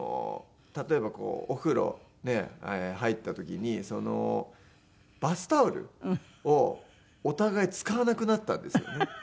例えばお風呂入った時にバスタオルをお互い使わなくなったんですよね。